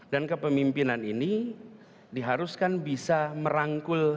dan kepemimpinan ini diharuskan bisa merangkul